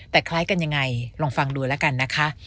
แต่คล้ายกันยังไงลองฟังดูแล้วกันนะคะ